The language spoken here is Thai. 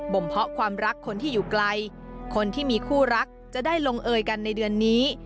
มเพาะความรักคนที่อยู่ไกลคนที่มีคู่รักจะได้ลงเอยกันในเดือนนี้